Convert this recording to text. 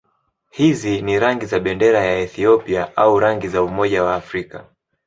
Hizi ni rangi za bendera ya Ethiopia au rangi za Umoja wa Afrika.